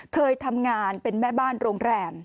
เคยทำงานเป็นแม่บ้านโรงแรม